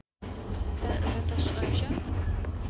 Тэ зэтэшӏэжьа?